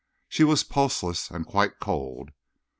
She was pulseless and quite cold.